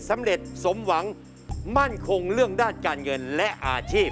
สำเร็จสมหวังมั่นคงเรื่องด้านการเงินและอาชีพ